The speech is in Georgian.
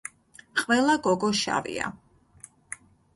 ყველა გოგო შავია